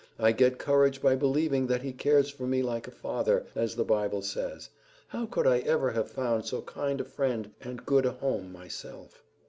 I get courage by believing that he cares for me like a father, as the bible says. How could I ever have found so kind a friend and good a home myself?"